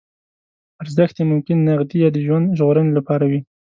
ارزښت یې ممکن نغدي یا د ژوند ژغورنې لپاره وي.